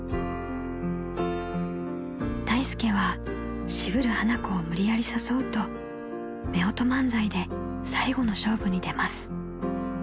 ［大助は渋る花子を無理やり誘うとめおと漫才で最後の勝負に出ます］